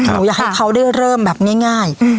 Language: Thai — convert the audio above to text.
อยากให้เขาได้เริ่มแบบง่าย